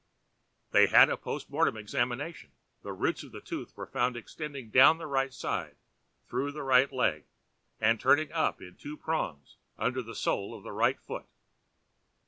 They had a post mortem examination—the roots of the tooth were found extending down the right side, through the right leg, and turning up in two prongs under the sole of the right foot!